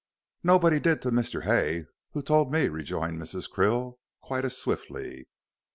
"No. But he did to Mr. Hay, who told me," rejoined Mrs. Krill, quite as swiftly.